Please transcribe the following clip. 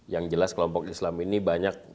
yang jelas kelompok islam ini banyak